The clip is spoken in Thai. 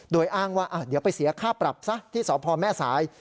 โดยอ้างว่าเดี๋ยวไปเสียค่าปรับซะที่สพแม่สาย